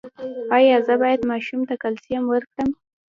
ایا زه باید ماشوم ته کلسیم ورکړم؟